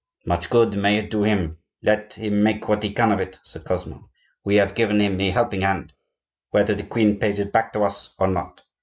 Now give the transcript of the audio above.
"Much good may it do him; let him make what he can of it!" said Cosmo. "We have given him a helping hand,—whether the queen pays it back to us or not."